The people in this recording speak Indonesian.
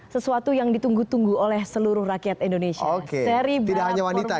sesuatu yang ditunggu tunggu oleh seluruh rakyat indonesia